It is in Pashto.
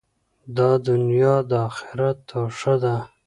دا دؤنیا د آخرت توښه ده.